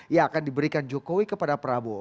yang akan diberikan jokowi kepada prabowo